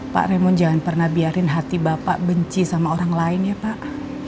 pak remon jangan pernah biarin hati bapak benci sama orang lain ya pak